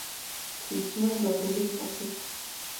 Příčinou byl rudý posuv.